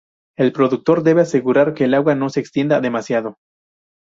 El productor debe asegurar que el agua no se extienda demasiado.